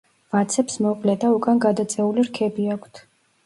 ვაცებს მოკლე და უკან გადაწეული რქები აქვთ.